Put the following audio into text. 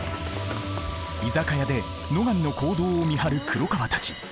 居酒屋で野上の行動を見張る黒川たち。